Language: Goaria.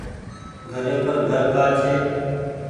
گهري پر گهر ڪآ ڇي۔